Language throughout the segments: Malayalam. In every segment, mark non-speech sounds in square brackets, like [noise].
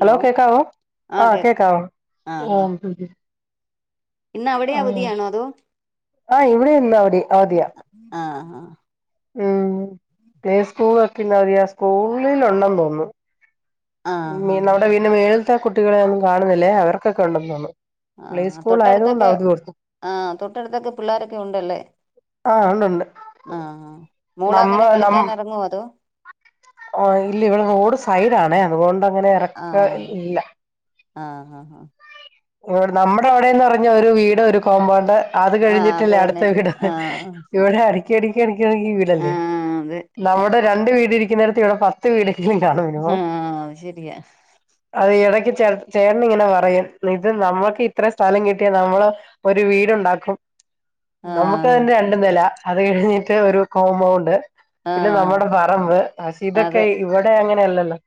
ഹലോ കേക്കാവോ? ആ ആഹ് കേക്കാം കേക്കാവോ? ആ ആ ഓഹ് ഉം ഉം. ഇന്ന് അവിടെ ഉം അവധിയാണോ അതോ ആഹ് ഇവടില്ല അവടി അവധിയാ. ആഹ് ഉം പ്ലേ സ്കൂളൊക്കെന്നവധിയാ സ്കൂളിലുണ്ടെന്ന് തോന്ന്ന്നു. ആ ഉം [unintelligible] നമ്മടെ [unintelligible] മേൾത്തെ കുട്ടികളെ ഒന്നും കാണ്ന്നില്ലേ അവർക്കൊക്കെ ഉണ്ടെന്ന് തോന്ന്ന്നു. പ്ലേ സ്കൂളായതോണ്ട് അവധി കൊട്ത്ത്. ആഹ് തൊട്ടട്ത്തൊക്കെ പിള്ളാരൊക്കെ ഉണ്ടല്ലേ? ആഹ് ഉണ്ടു ണ്ട്. ആഹ്. നമ്മെ നം അഹ് ഇല്ല ഇവിടെ റോഡ് സൈഡാണെ അത് കൊണ്ട് അങ്ങനെ ഇറക്ക ആഹ് ഇല്ല ആഹ് ഹ. ഇടെ നമ്മടെ അവിടെന്ന് പറഞ്ഞ ഒരു വീട് ഒരു കോമ്പൗണ്ട് അത് ആ അത് കഴിഞ്ഞിട്ടില്ലേ തന്നെ അട്ത്ത വീട് ആ ഇവിടെ അട്ക്കി അട്ക്കി അട്ക്കി അട്ക്കി ആ വീടല്ലെ അതെ നമ്മുടെ രണ്ട് വീട് ഇരിക്കുന്നരത്ത് ഇവിടെ പത്ത് വീടങ്കിലും കാണും ആ മിനിമം അത് ശരിയാ അത് ഇടക്ക് ചേ ചേട്ടൻ ഇങ്ങനെ പറയും ഇത് നമ്മക്കിത്ര സ്ഥലം കിട്ടിയാ നമ്മള് ഒരു വീടുണ്ടാക്കും ആ നമുക്കതിന്റെ രണ്ട് നെല അത് കഴിഞ്ഞിട്ട് ഒരു കോമ്പൗണ്ട് ആ പിന്നെ നമ്മടെ പറമ്പ് അസീദൊക്കെ ഇവിടെ അങ്ങനെല്ലല്ലോ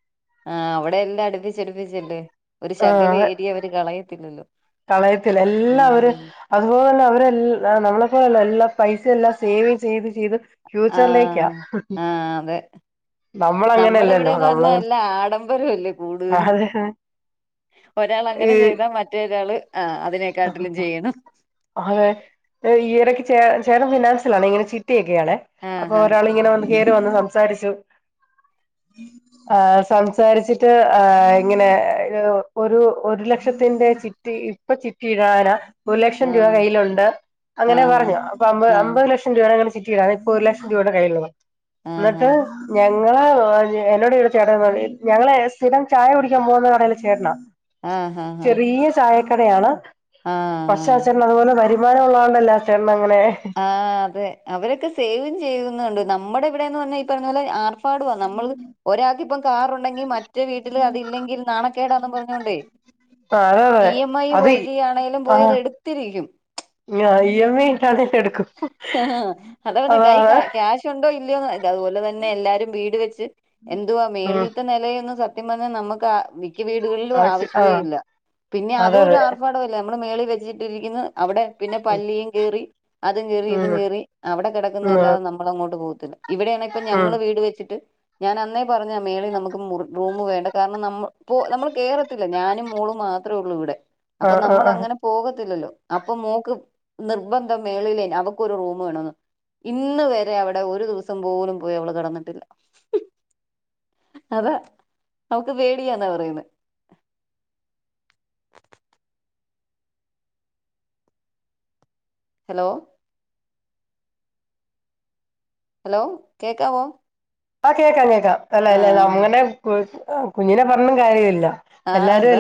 ആഹ് അവിടെയെല്ലാം അടുപ്പിച്ചടുപ്പിച്ചല്ലേ ഒരു ശകലം ഏരി യഅവര് കളയത്തില്ലല്ലോ കളയത്തി ല്ലഎല്ലാവര് ഉം അതുപോലെന്നെ അവരെല്ല നമ്മളെപ്പോലെല്ല എല്ലാ പൈസെല്ലാം സേവ് ചെയ്ത് ചെയ്ത് ഫ്യൂച്ചറിലേക്കാ ആഹ് ആഹ് അതെ. നമ്മടെ നമ്മളങ്ങനെയല്ലല്ലോ ഇവിടെന്ന് നമ്മളങ്ങനെ പറഞ്ഞാല്ലാഡംബരം അല്ലേ കൂടുതല് അതെ ഒരാൾ അങ്ങനെ ഈ ചെയ്താ മറ്റൊരാൾ ആ അതിനെക്കാട്ടിലും ചെയ്യണം അതെഇയൊടക്കെ ചേട്ടൻ ഫിനാൻസിൽ ആണ് ഇങ്ങനെ ചിറ്റി ഒക്കെയ ആണ് അപ്പൊ ആഹ് ഒരാള് ഇങ്ങനെ വന്ന് കയറിവന്നു സംസാരിച്ചു ആഹ് സംസാരിച്ചിട്ട് ഇങ്ങനെ ഒരു ഒരു ലക്ഷത്തിന്റെ ചി ട്ടി ഇപ്പ ചിറ്റി കീഴാന ഒരു ലക്ഷം രൂപ ആഹ് കയ്യിലുണ്ട് അങ്ങനെ ആഹ് പറഞ്ഞു അ അമ്പ ആഹ് അമ്പത് ലക്ഷം എന്റെവരചിറ്റിട ഇപ്പൊ ഒരു ലക്ഷം രൂപയുടെ കയ്യിൽ ആഹ് ഉള്ളത്എന്നിട്ട് ഞങ്ങള് എന്നോട് വീട് ചേട്ടൻ പറഞ്ഞ് ഞങ്ങ ളെസ്ഥിരം ചായ കുടിക്കാൻ പോകുന്ന കടലെ ചേട്ടനാ ആഹ് ആഹ് ചെറിയ ചായക്കടയാണ് പക്ഷേ ആഹ് അവിടെ ചെന്നഅതുപോലെ വരു വരുമാനം ഉള്ള തൊണ്ട്അല്ലെ ചേട്ടൻ അങ്ങനെ ആഹ് അതെ അവരൊക്കെ സേവ് ചെയ്യുന്നുണ്ട് നമ്മുടെ എവിടെന്ന് പറഞ്ഞാൽഈ പറഞ്ഞ പോല ആർ പാടുവാ നമ്മള് ഒരാൾക്ക് ഇപ്പം കാറുണ്ടെങ്കിൽ മറ്റോ വീട്ടിൽ അതില്ലെങ്കിൽ നാണക്കേടാന്നും പറഞ്ഞോണ്ടേ [unintelligible] ഇ എം ഐ അതെ വഴിയാണേങ്കിലും അത് പോയിത് എടുത്തിരിക്കും ഇ എം ഇട്ടാണെങ്കിലുംഎടുക്കും ആ അതാപറഞ്കൈ ക്യാഷ് ഉണ്ടോ ഇല്ലയോ ഇ അതുപോലെ തന്നെ എല്ലാരും വീട് വെച്ച് എന്തുവാ ഉം മേളില്ത്തെ നിലയൊന്ന് സത്യം പറഞ്ഞാൽ നമുക്ക് എനിക്ക് വീടുകളിലും ആവശ്യ ആ ആവശ്യമോ ഇല്ല പിന്നെ അതെ അതും ഒരു അതെ ആർഭാടമല്ല നമ്മള് മേളിൽ വെച്ചിട്ടിരിക്കുന്നു അവിടെ പിന്നെ പല്ലിയും കേറി അതും കേറി ഇതും ഉം കേറി അവിടെ ഉം കിടക്കുന്നതല്ലാതെ നമ്മ നമ്മള്‌അങ്ങോട്ട് പോകത്തില്ല ഇവിടെയാണ് ഇപ്പൊ ഉം ഞങ്ങള് വീട് വെച്ചിട്ട് ഞാൻ അന്നേ പറഞ്ഞതാ ആ മേളിൽ നമുക്ക് റൂമ് വേണ്ട കാരണം ന ഇപ്പോ നമ്മള് കേറത്തില്ല ഞാനും മോളും മാത്രം ത്രേള്ളൂ ഇവിടെ ആ അപ്പൊ ആ നമ്മൾ ആ അങ്ങനെ പോകത്തില്ലല്ലോ അപ്പൊ മോക്ക് നിർബന്ധ മേളിലേ അവ ഇക്ക്ഒരു റൂം വേണന്ന് ഇന്ന് വരെ അവിടെ ഒരു ദിവസം പോലും പോയി അവള് കിടന്നിട്ടില്ല അതാ അവൾക്ക് പോടിയാന്നാ പറയുന്നത് ഹലോ ഹലോ കേൾക്കാവോ ആഹ് കേൾക്കാം കേൾക്കാം അല്ല അല്ല അങ്ങനെ കുഞ്ഞിനെ പറഞ്ഞും കാര്യല്ല ആഹ് അതാ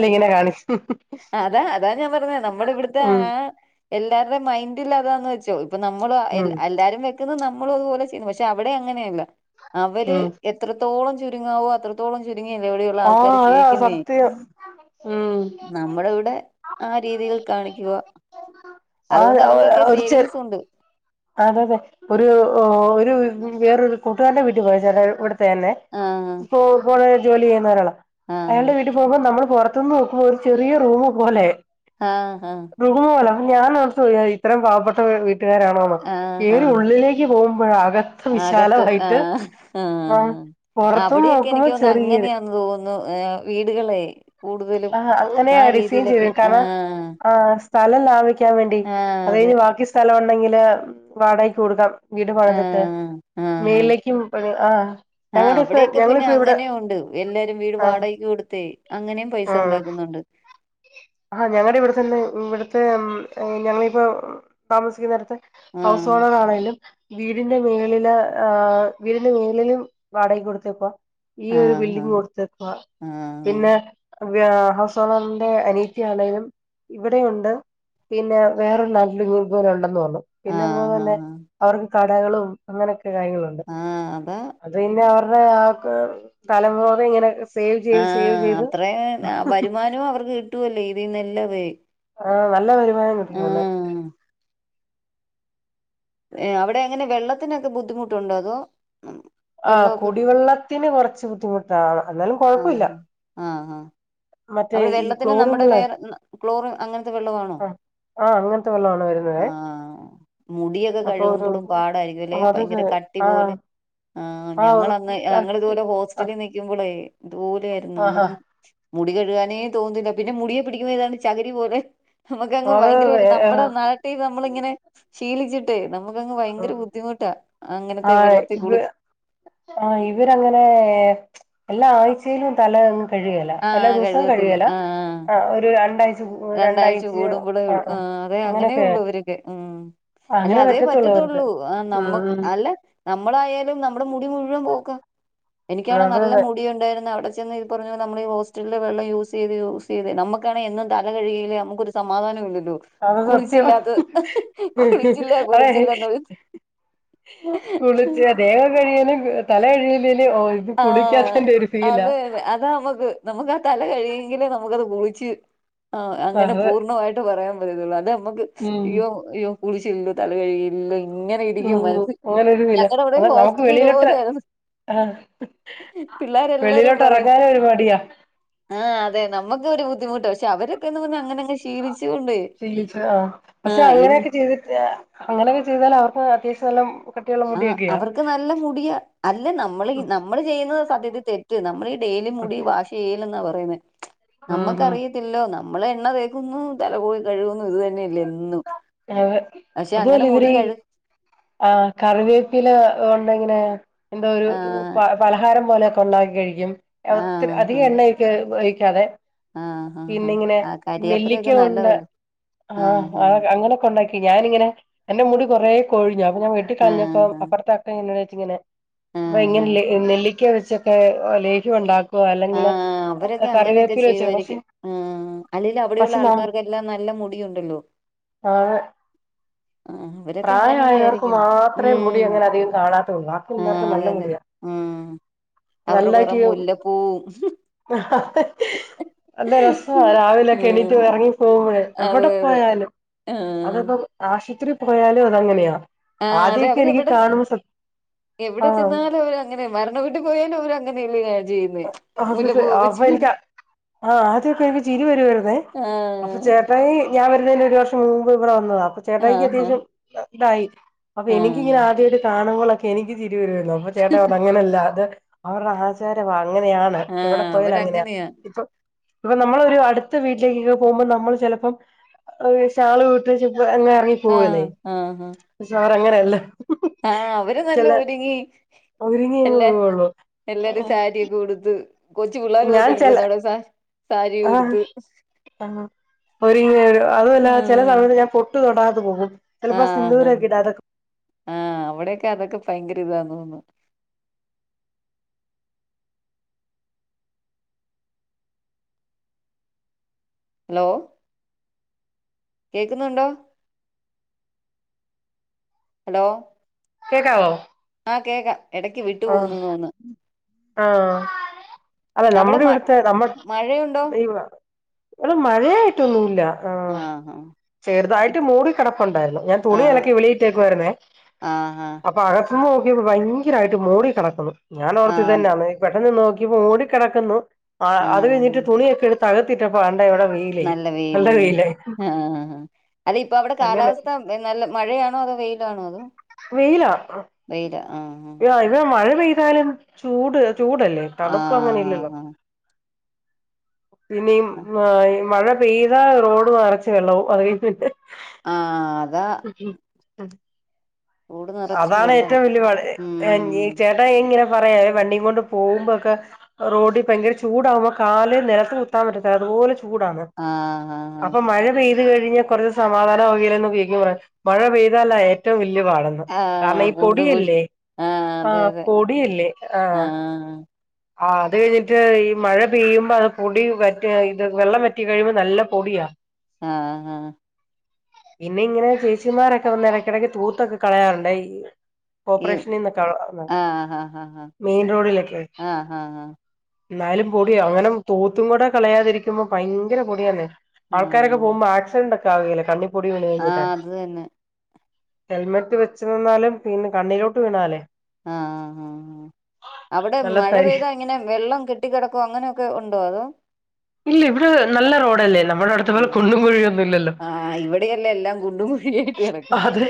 അതാ അതാ ഞാൻ പറഞെ നമ്മുടെവിടുത്തെ ആ ഉം എല്ലാര്ടെ മൈയ്റ്റിലതാന്ന് വെച്ചോ ഇപ്പൊ നമ്മള് ഉം എല്ലാരും വെ ക്കുന്ന് നമ്മളതുപോലെ ചെയ്യുന്നു പക്ഷെ അവിടെ അങ്ങനെയല്ല അവര് ഉം എത്ര എത്രത്തോളം ചുരുങ്ങാവോ അത്രത്തോളം ചുരുങ്ങിയല്ലെ അവിടെയുള്ളെ ആ ആൾക്കാര് അതാ ജീവിക്കുന്നേ? സത്യം ഉം നമ്മള് ഇവിടെ ആ രീതികൾ കാണിക്കുവാ ആ അതുകൊണ്ട് അവർക്കൊക്കെ ഒരു ചെ സേവിങ്സുണ്ട് അതെ അതെ ഒരു ഒരു വേറൊരു കൂട്ടുകാരന്റെ വീട്ടി പോയതാ ഇവിടത്തെന്നെ ആഹ് ഇപ്പോ പോളോയിൽ ജോലിയ്യുന്നൊരാളാ ആഹ് അവന്റെ വിട്ടി പോകുമ്പോ നമ്മൾ പൊറത്ത് നോക്കുമ്പോ ഒരു ചെറിയ റൂമ് പോലെ ആഹ് ഹാ റുമ് പോലെ അപ്പം ഞാനോർത്തു പോയി അയ്യോ ഇത്രേം പാവപ്പെട്ട വീട്ടുകാരാണോന്ന് മ് ആഹ് കേറി ആഹ് ഉള്ളിലേക്ക് പോകുമ്പഴകത്ത് അകത്ത് ആ ആ ആഹ് പുറത്തും അവിടെയൊക്കെ നോക്കുമ്പോ എനിക്ക് തോന്ന്ണു ചെറിയത് അങ്ങനെയാ തോന്നുന്നു വീടുകളെ കൂടുതലും ആഹ് ആ അങ്ങനെയാ ടിസൈൻ രീതിയിലൊക്കെ ചെയ്തെ കാരണം ആഹ് ആ സ്ഥലം ലാഭിക്കാൻ വേണ്ടി ആഹ് അത് അതെ കഴിഞ്ഞ് ബാക്കി സ്ഥലവുണ്ടെങ്കില് വാടകക്ക് കൊടുക്കാം വീട് പണിത്തിട്ട് ആഹ് ആഹ് മേള്ലേക്കും ആ ആഹ് ഞങ്ങടിപ്പെ അവിടെയൊക്കെ പിന്നെ ഞങ്ങളിപ്പോ ഇവിടെ അങ്ങനെ ഉണ്ട് എല്ലാരും വീട് ആഹ് വാടകക്ക് കൊടുത്തെ അങ്ങനേം പൈസ ആഹ് ഉണ്ടാക്കുന്നുണ്ട് ആഹ് ഞങ്ങടെ ഇവിടെത്തന്നെ ഇവിടുത്തെ ഞങ്ങളിപ്പോ താമസിക്കുന്നട്ത്ത് ഹൗസ് ആഹ് ഓണറാണേലും വീടിന്റെ മേളില് ഏഹ് വീടിന്റെ മേളിലും വാടകക്ക് കൊടുത്തേക്കുവാ. ഈയൊരു ആഹ് ബിൽഡിങ് കൊടുത്തേക്കുവാ ആഹ് പിന്നെ ഹൗസ് ഓണറിന്റെ അനിയ ത്തി ആണേലും ഇവിടെയുണ്ട് പിന്നെ വേറൊരു നാട്ടിലിത്പോലെ ഉണ്ടെന്ന് പറഞ്ഞു. പിന്നെ അതുപോലെ ആഹ് തന്നെ ആഹ് അവർക്ക് കടകളും അങ്ങനെയൊക്കെ കാര്യങ്ങളുണ്ട്. ആഹ് അതെ അത് പിന്നെ അവരുടെ ആ തലമുറ യിങ്ങനെയൊക്കെ ആഹ് അത്രേം വരുമാനവും അവർക്ക് കിട്ടുവല്ലേ ഇതിന്നെല്ലാം വേ ആഹ് നല്ല വരുമാനം കിട്ടുന്നുണ്ട്. ഏഹ് അവിടെയെങ്ങനെ വെള്ളത്തിനൊക്കെ ബുദ്ധിമുട്ടുണ്ടോ? അതോ ആ വെള്ളമൊക്കെ കുടിവെള്ളത്തിന് കൊറച്ച് ബുദ്ധിമുട്ടാണ് എന്നാലും കൊഴപ്പവില്ല ആഹ് ആഹ് ആഹ് അവിടെ വെള്ളത്തിന് നമ്മുടെ വേറെ ക്ലോറിൻ അങ്ങൻത്തെ വെള്ളവാണോ? ആഹ് ആഹ് അങ്ങൻത്തെ വെള്ളവാണ് വരുന്നതെ മുടിയൊക്കെ കഴുകുമ്പളും പാടായിരിക്കും അല്ലെ ഭയങ്കര അതതെ കട്ടി ആഹ് പോലെ ആ ആഹ് ഞങ്ങളന്ന് കട്ടി ഞങ്ങളിതുപോലെ ഹോസ്റ്റ ആ ലിൽ നിക്കുമ്പളേ ഇത്പോലെയിരുന്നു ആഹാ നമുക്ക് മുടി കെട്ടി നേ തോന്നുന്നില്ല പിന്നെ മുടിയെ പിടിക്കുമ്പോ ഏതാണ്ട് ചകരി പോലെ നമുക്കങ് അത് ഭയങ്കരമായിട്ട് നമ്മുടെ നാട്ടി ന്ന് നമ്മളിങ്ങനെ ശീലിച്ചിട്ടേ നമുക്കങ്ങ് ഭയങ്കര ബുദ്ധിമുട്ടാ അങ്ങനത്തെ ആഹ് വെള്ളത്തിൽ ഇവ കുളിക്ക ആഹ് ഇവരങ്ങനെ എല്ലാ ആഴ്ചയിലും തല നന കഴുകേല എല്ലാ ആഹ് ദിവസവും കഴുകത്തില്ല കഴുകേല ആഹ് ആ ഒരു രണ്ടാഴ്ച കൂടു രണ്ടാഴ്ച ആഹ് ആ ആഹ് അതെ അങ്ങനെയൊക്കെ അങ്ങനെയൊള്ളൂ അവരൊക്കെ ഉം അല്ല അങ്ങനെ അതേ പറ്റത്തുള്ളൂ അവർക്ക് പറ്റത്തൊള്ളൂ ഏഹ് ഉം നമ്മക്ക് ഉം അല്ല നമ്മളായാലും നമ്മുടെ മുടി മുഴുവൻ പോക്ക എനിക്കാണേ അതെ നല്ല അതെ മുടിയുണ്ടായിരുന്നു അവിടെ ചെന്ന് ഈ പറഞ്ഞപ്പോലെ. നമ്മള് ഈ ഹോസ്റ്റലിലെ വെള്ളം യൂസെയ്ത് യൂസെയ്ത് നമുക്കാണേ എന്നും തല കഴുകിയില്ലേ നമുക്കൊരു സമാധാനുവില്ലല്ലോ. അത് സത്യം കുളിച്ചില്ലാന്ന് കുളിച്ചില്ല, കുളിച്ചില്ലെന്ന് പറയും. കുളിച്ച ദേഹമേ കതല കഴിയിലെല് ന് ഓല് ഇത് ആ കുളിക്കാത്തന്റെ ഒരു ഫീലാ. അതെ അതെ അതാ നമുക്ക് നമുക്ക് ആ തല കഴിയെങ്കിലേ നമുക്കത് കുളിച്ച് ആ അങ്ങനെ അതെ പൂർണ്ണമായി പറയാൻ പറ്റുള്ളൂ അത് നമുക്ക് ഉം അയോ അയ്യോ കുളിച്ചല്ലോ തല കഴുകിലല്ലോ. ഇങ്ങനെ ഇരിക്കും ഉം മനസ് അങ്ങനൊരു ഫീലാ ഞങ്ങളുടെ അവിടെ അതാ നമുക്ക് ഹോസ്റ്റൽ വെളിയിലോട്ട് ഇതുപോലൊയിരുന്നു. ആഹ് പിള്ളേര് എല്ലാരും വെളിയിലോട്ട് പറയും. ഇറങ്ങാനും ഒരു മടിയാ ആഹ് അതെ നമുക്ക് ഒരു ബുദ്ധിമുട്ട് പക്ഷെ അവരൊക്കെന്ന് പറഞ്ഞ അങ്ങനെ ശീലിച്ച കൊണ്ട്. ശീലിച്ചു ആ പക്ഷെ അങ്ങനെയൊക്കെ ചെയ്തിട്ട അങ്ങനെയൊക്കെ ചെയ്താല് അവർക്ക് അത്യാവശ്യം നല്ല കട്ടിയുള്ള ആഹ് മുടിയൊക്കെയാ അവർക്ക് നല്ല മുടിയ അല്ല നമ്മൾ ഉം നമ്മള് ചെയ്യുന്ന സത്യത്തി തെറ്റ് നമ്മളീ ഡെയിലി മുടി വാശ് ചെയ്യലെന്നാ പറയുന്നെ ഉം ഉം നമ്മുക്കറിയത്തില്ലല്ലോ നമ്മള് എണ്ണ തേ ക്കുന്നു തല പോയി കഴുകുന്നു ഇത് തന്നെയല്ലേ എന്നും. അതെ പക്ഷെ അങ്ങനെ അതുഅല്ല മുടി ഇവര് കഴു ആഹ് കറിവേപ്പില ഉണ്ടിങ്ങനെ എന്താ ഒരു ആ പലഹാരം പോലെക്കെ ഉണ്ടാക്കി കഴിക്കും ഒ ആ ഹാ അധികം എണ്ണ ഒയി ഒയിക്കാതെ ആ ഹാ ഹാ പിന്നിങ്ങനെ ആ നെല്ലിക്ക കരിയാപ്പിലൊക്കെ കൊണ്ട് നല്ലതല്ലേ ആ ഹാ ആഹ് അങ്ങനെ കൊണ്ടാക്കി ഞാനിങ്ങനെ എന്റെ മുടി കൊറെ കൊഴിഞ്ഞു അപ്പ ഞാൻ വെട്ടി ആ കളഞ്ഞപ്പ ഹാ അപ്പറത്തെ പ്പ ഇങ്ങനെ വെച്ചിങ്ങനെ ആ പ്പ ഹാ നെല്ലിക്ക വെച്ചൊക്കെ ലേഹ്യ ഉണ്ടാ ആഹ് അവരൊക്കെ അങ്ങനെയൊക്കെ വെച്ച് പക്ഷെ ചെയ്യുവായിരിക്കും അഹ് അല്ലെലും അവിടെള്ള പക്ഷെ ന ആൾക്കാരക്കെ. എല്ല നല്ല മുടിയുണ്ടല്ലോ. എഹ് ആഹ് അവരൊക്കെ അങ്ങനെക്കെയിരിക്കും മാത്രമേ മുടി ഉം അങ്ങനെ അധികം കാണാത്തുള്ളൂ ബാക്കി ആഹ് എല്ലാവർക്കും അതെ നല്ല അതെ മുടിയാ ഉം അവര് കൊറെ നല്ലായിട്ട് മുല്ല [inaudible] നല്ല രസ രാവിലെക്കെ എണീറ്റ് ആഹ് ഇറങ്ങി പോകുമ്പോഴേ അതെ എവിടെ അതെ പോയാലും. ആഹ് അതിപ്പോ ആശുത്രി പോയാലും അതങ്ങനെയാ അതെ ആദ്യക്കെ എനിക്ക് അവരെവിടെ ചെ- കാണുമ്പോ സത്യ ആഹ് ഇങ്ങനെ മരണവീട്ടു പോയാലും അവരങ്ങനെയല്ല ഞാ ചെയ്യുന്നേ [unintelligible] മുല്ലപ്പൂവൊക്കെ ചൂടി അപ്പൊനിക്ക് ആഹ ആദ്യക്കെ എനിക്ക് ചിരി വെരുവരുന്നേ അപ്പൊ ആഹ് ചേട്ട ട്ടായി ഞാൻ വരുന്നതിന് ഒരു വർഷം മുൻമ്പ് ഇവിടെ വന്നതാ അപ്പൊ ആഹ് ചേട്ടയ്ക്കെന്തേലും അത ഇതായി അപ്പൊ ആഹ് എനിക്കിങ്ങനെ ആദ്യട്ട് കാണുമ്പോളൊക്കെ എനിക്ക് ചിരി വരുല്ലോ അപ്പൊ ചേട്ടായിറഞ്ഞു അങ്ങനല്ല അത് അവരുടെ ആചാരവാ അങ്ങനെയാണ് ആഹ് എവിടെപോയാലങ്ങനെയ അവരങ്ങനെയാ ഇപ്പൊ ഇപ്പൊ നമ്മളൊരു അടുത്ത വീട്ടിലേക്കൊക്കെ പോകുമ്പോ നമ്മള് ചെലപ്പോ ഷാളുവിട്ടേച്ച് വെ അങ്ങറങ്ങി ആഹ് ആഹ് ആഹ് സാറ അങ്ങനെല്ല ആഹ് അവര് നല്ലൊരുങ്ങി ഒരുങ്ങിയങ്ങ് എല്ലാ പോവുള്ളൂ എല്ലരും സാരി ഉടുത്ത് ഞാൻ കൊച്ചുപിള്ളേരതൊട്ട് ചെല ഇ സാരി ആഹ് ഉടുത്ത് ആഹ് ഒരുങ്ങിവെരു അതുല്ല ആ ചില സമയ ഞാ പൊ ട്ട് തൊടാതെപോകും ആഹ് അ ആഹ് അവിടെക്കെ അതൊക്കെ ഭയങ്കര ഇതാ തോന്നുന്നു ഹലോ കേക്കുന്നുണ്ടോ ഹലോ കേക്കാവോ ആഹ് കേക്കാം ഇടക്ക് വിട്ടു ഓഹ് പോകുന്നു തോന്നുന്നു ആഹ് അതായത് അവിടെ നമ്മടെ മ ഇവിടുത്തെ നമ്മ മഴയുണ്ടോ ഇ ല്ല മഴയായിട്ടൊന്നു ഇല്ല ആഹ് ആഹ് ചെറുതായിട്ട് മൂടികെടപ്പുണ്ടായിരുന്നു ഞാൻ ആ തുണി അലക്കി വെളി ഇട്ടേക്കു വാര്ന്നേ ആ ആ അപ്പ അകത്ത്ന്ന് നോക്കിയപ്പോ ഭയങ്കരായിട്ട് മൂടി കെടക്കുന്നു ഞാ ആ ഓർത്ത് ഇതെന്താണ് പെട്ടെന്ന് നോ ക്ക്‌യുമ്പൊ മൂടി കെടക്കുന്നു ആ അത് കഴിഞ്ഞിട്ട് തുണിയെക്കെ എട്ത്ത് അകത്തിട്ടപ്പ ദാണ്ടെ ഇവിടെ വെ നല്ല വെയില് അല്ലേ ആഹ് ആഹ് ആഹ് ആഹ് അല്ല ഇപ്പ അവിടെ അങ്ങനെ കാലാവസ്ഥ നല്ല മഴയാണോ അതോ വെയിലാണോ അതോ വെയിലാ അഹ് വെയിലാ ആഹ് ആഹ് ആഹ് ഇവ്ടെ മഴപെയ്താലും ചൂട് ചൂടല്ലേ ആ ആ തണുപ്പ് അങ്ങനെ ഇല്ലല്ലോ ആ പിന്നിം ആ ഈ മഴ പെയ്താ റോഡ് നെറച്ച് വെള്ളാവും അറിയത്തില്ലേ ആഹ് ആഹ് അതാ ക്കിയിം അഹ് കൂട് നിറച്ചും അതാണ് വെള്ളമാ ഏറ്റവു വല്ല്യെ പാട് എങ് ഈ ഉം ചെ ട്ടായി ഇങ്ങനെ പറയാ ഈ വണ്ടി കൊണ്ട് പോവുമ്പൊ ഒക്കെ റോഡ് ഭയങ്കര ചൂടാക്മ്പോ കാല് നെലത്ത് കുത്താൻ പറ്റത്തില്ല അതുപോലെ ചൂ ചൂടാണ് ആഹ് ആഹ് അപ്പൊ മഴപെയ്ത് കഴിഞ്ഞാ കൊറച്ച് സമാധാനവൊങ്കില് എന്ന് [unintelligible] [unintelligible] മഴ പെയ്താലാ ഏറ്റവു വെല്ല്യെ പാടെന്ന് ആഹ് ആഹ് കാരണം ഈ കുണ്ടും കുഴി പൊടിയല്ലേ അതെ ആഹ് അതെ പൊടിയല്ലേ ആഹ് ആഹ് അത് കഴിഞ്ഞിട്ട് ഈ മഴ പെയ്യുമ്പോ അത് പൊടി വറ്റ ഇത് വെള്ളം വറ്റി കഴിയുമ്പോ നല്ല പൊടിയാ ആഹ് ഹാ പിന്നെ ഇങ്ങനെ ചേച്ചിമാരൊക്കെ വന്ന് എടക്കെടക്ക് തൂത്തൊക്കെ കളയാറുണ്ട് ഈ ഈ കോർപ്പറേഷനിന്നൊക്ക ആള് വന്ന് ആഹ് ആഹ് ആഹ് മെയിൻ റോഡിലെക്കേ ആഹ് ആഹ് ആഹ് ഇന്നാലും പൊടിയാ അങ്ങനെ തൂത്തും കൂടെ കളയാതിരിക്കുമ്പോ ഭയങ്കര പൊടിയാന്നെ ആൾക്കാരെക്കെ പോകുമ്പോ ആക്സിഡന്റ് ഒക്കെ ആവുകേലെ കണ്ണിപ്പൊടി വീണ് ആഹ് കഴിഞ്ഞ്ട്ട് അത് തന്നെ ഹെൽമെറ്റ് വെച്ച് നിന്നാലും പിന്നെ കണ്ണിലോട്ട് വീണാലേ ആഹ് ആഹ് ആഹ് ആഹ് അവിടെ നല്ല മഴ തരി പെയ്താ എ ങ്ങനെ വെള്ളം കെട്ടികെടക്കോ അങ്ങനെയൊക്കെ ഉണ്ടോ അതോ ഇല്ല ഇവിടെ നല്ല റോഡല്ലേ എല്ലാം നമ്മളെ അവിട്ത്തെ പോലെ ആഹ് കുണ്ടും കുഴിയൊന്നു ഇല്ലല്ലോ ആഹ് ഇവിടെയല്ല എല്ലാം കുണ്ടും കുഴിയായിട്ട് കിടക്കും അഹ് അതെ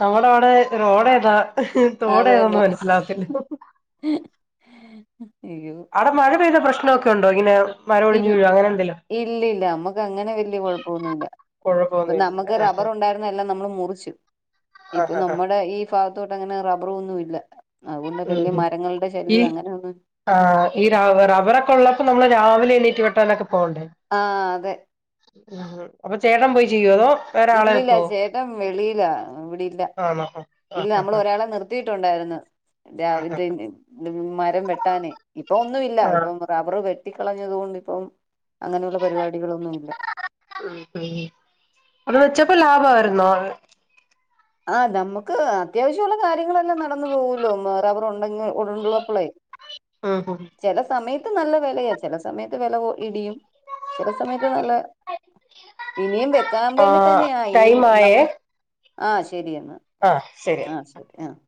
നമ്മടെ അവ്ടെ റോഡേതാ അത് തോടേതാന്ന് തന്നെ മനസ്സിലാവത്തില്ല അയ്യോ അവ്ടെ മഴ പെയ്ത പ്രശ്ന ഒക്കെ ഉണ്ടോ ഇങ്ങനെ മരം ഇൽ ഒടിഞ്ഞു വീഴോ അങ്ങനെ എന്തേലും ഇല്ല ഇല്ല നമ്മക്ക് അങ്ങനെ വെല്ല്യെ കൊഴപ്പൊന്നു ഇല്ല ഒര് നമ്മക്ക് കുഴപ്പമൊന്നുമില്ല റബ്ബർ ഉണ്ടായിര് ന്നെ എല്ലാം നമ്മള് മുറിച്ചു ഇപ്പൊ ആഹ് ആഹ് നമ്മുടെ ഈ ഫാഗത്തോട്ട് അങ്ങനെ റബ്ബറ് ഒന്നും ഇല്ല അതുകൊണ്ട് ഉം ബല്ല്യെ ഉം മരങ്ങൾടെ ഈ ശല്ല്യോ അങ്ങനെ ഒന്നും ഇല്ല ആഹ് ഓ ഈ റബറൊക്കെ ഉള്ളപ്പോ നമ്മള് രാവിലെ എണീറ്റ് വെട്ടാനൊക്കെ പോകണ്ടേ ആഹ് അതെ ഉം ഹും അപ്പൊ ചേട്ടാൻ പോയി ചെയ്യോ അതോ വേറെ ആളെ ഇല്ലില്ല വെക്കുവോ ചേട്ടൻ വെളിയിലാ ഇവിടില്ല ആണോ ആഹ് ഇല്ല നമ്മൾ ആഹ് ഒരാളെ നിർ ത്തിയിട്ടുണ്ടായിരുന്നു ആഹ് രാവിൽത്തെ ന് ഇത്‌ മരം വെട്ടാന് ഇപ്പൊ ഒന്നുമല്ല ആഹ് ഇപ്പം റബറ് വെട്ടിക്കളഞ്ഞത്കൊണ്ട്പ്പം അങ്ങനെയുള്ള പരിപാടികളൊന്നുല്ല ഉം ഉം അത് വെച്ചപ്പോ ലാഭായ്ര്ന്നോ ആഹ് നമ്മുക്ക് അത്യാവശ്യള്ള കാര്യങ്ങളെല്ലാം നടന്നു പോകുല്ലോ റബ്ബർ ഉണ്ടെങ്കി ഉള്ളപ്പോളെയ് ആഹ് അഹ ഹാ ചെല സമയത്ത് നല്ല വെലയാ ചെല സമയത്ത് വെല ഇടിയും ചെല സമയത്ത് നല്ല ഇനിയും വെക്കാൻ വേണ്ടി ആഹ് തന്നെയാ ഈ ടൈം ആയേ നമ്മള് ആഹ് ശെരിയെന്നാ ആഹ് ശരി ആഹ്